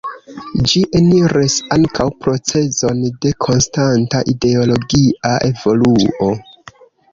Ĝi eniris ankaŭ procezon de konstanta ideologia evoluo.